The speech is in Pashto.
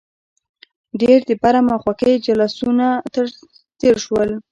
ډېر د برم او خوښۍ جلوسونه تېر شول.